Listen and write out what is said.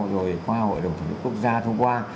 rồi qua hội đồng thống quốc gia thông qua